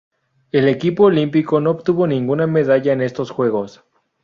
El equipo olímpico no obtuvo ninguna medalla en estos Juegos.